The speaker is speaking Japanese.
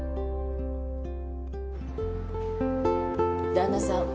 旦那さん